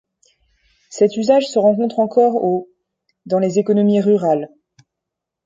Cet usage se rencontre encore aux dans les économies rurales.